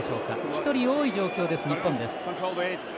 １人多い状況です、日本。